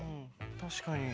確かに。